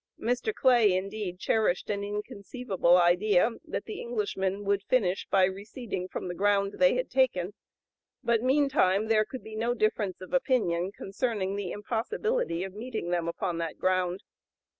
Mr. Clay, indeed, cherished an "inconceivable idea" that the Englishmen would "finish by receding from the ground they had taken;" but meantime there could be no difference of opinion concerning the impossibility of meeting them upon that ground.